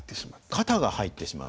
肩が入ってしまう？